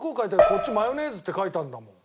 こっちマヨネーズって書いてあるんだもん。